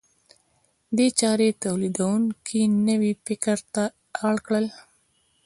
دې چارې تولیدونکي نوي فکر ته اړ کړل.